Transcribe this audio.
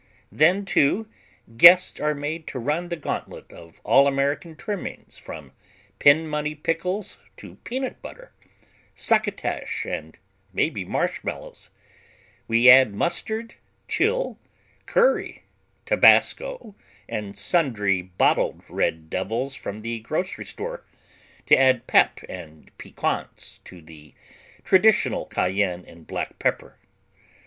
Then, too, guests are made to run the gauntlet of all American trimmings from pin money pickles to peanut butter, succotash and maybe marshmallows; we add mustard, chill, curry, tabasco and sundry bottled red devils from the grocery store, to add pep and piquance to the traditional cayenne and black pepper.